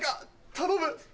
頼む。